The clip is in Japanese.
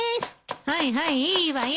はいはいいいわよ。